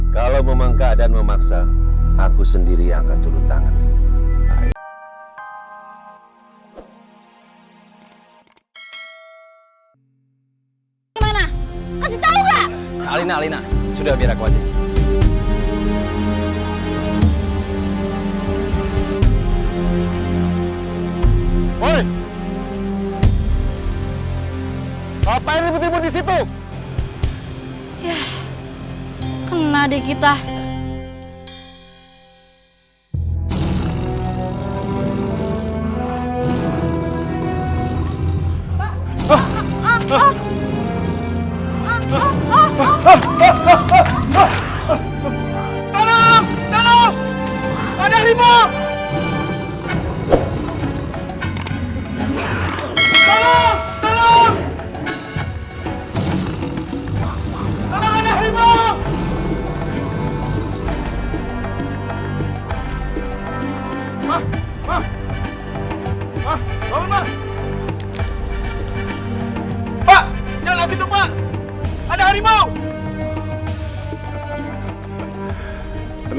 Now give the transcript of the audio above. kalau harimau itu ketemu sama tuan sakti